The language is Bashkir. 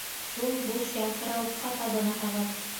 Шул буш ялтырауыҡҡа табынаһығыҙ!